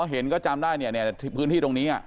เห็นก็จำได้เนี่ยพื้นที่ตรงนี้